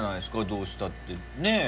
どうしたってねぇ。